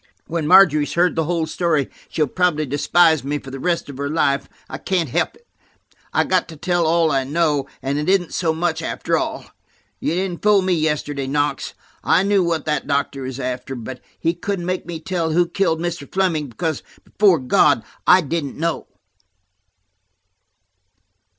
When Margery has heard the whole story, she will probably despise me for the rest of her life. I can't help it. I've got to tell all I know, and it isn't so much after all. You didn't fool me yesterday, Knox; I knew what that doctor was after. But he couldn't make me tell who killed Mr. Fleming, because, before God, I didn't know."